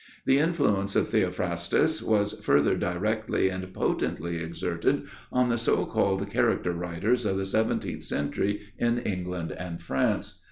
The influence of Theophrastus was further directly and potently exerted on the so called character writers of the seventeenth century in England and France.